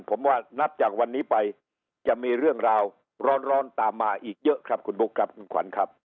ผมว่านับจากวันนี้ไปจะมีเรื่องราวร้อนตามมาอีกเยอะครับคุณบุ๊คครับคุณขวัญครับ